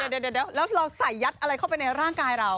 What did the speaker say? เดี๋ยวเราใส่ยัดอะไรเข้าไปในร่างกายเรา